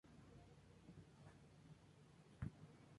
Alberdi y la Av.